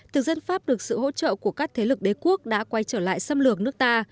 thực dân pháp được sự hỗ trợ của các thế lực đế quốc đã quay trở lại xâm lược nước ta